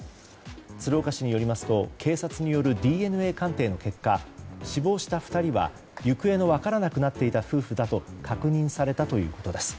鶴岡市によりますと警察によるＤＮＡ鑑定の結果死亡した２人は行方の分からなくなっていた夫婦と確認されたということです。